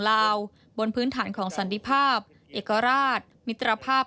ลาวบนพื้นฐานของสันติภาพเอกราชมิตรภาพ